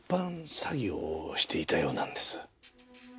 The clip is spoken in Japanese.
詐欺をしていたようなんです。